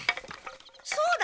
そうだ！